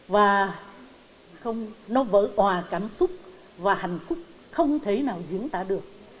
và nó vỡ hòa cảm xúc và hạnh phúc không thể nào diễn tả được